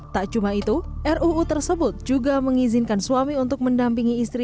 tak cuma itu ruu tersebut juga mengizinkan suami untuk mendampingi istri